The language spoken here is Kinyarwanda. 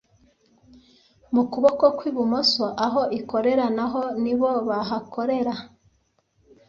mu kuboko kw ibumoso aho ikorera na ho nibo bahakorera